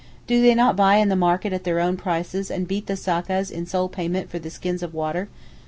Do they not buy in the market at their own prices and beat the sakkas in sole payment for the skins of water?